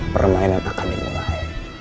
permainan akan dimulai